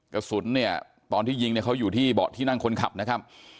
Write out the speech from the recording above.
กระสุนตอนที่ยิงเขาอยู่ที่เบาะที่นั่งคนขับนะครับ